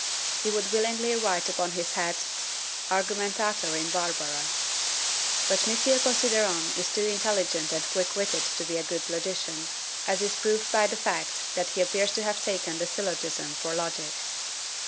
He would willingly write upon his hat, "Argumentator in barbara." But M. Considerant is too intelligent and quick witted to be a good logician, as is proved by the fact that he appears to have taken the syllogism for logic.